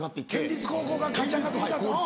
県立高校が勝ち上がっていったと。